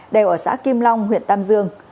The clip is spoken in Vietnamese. đều ở xã kim long huyện tam dương